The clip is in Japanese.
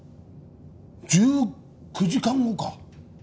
１９時間後か。